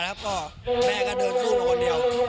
แม่ก็เดินสู้มาคนเดียว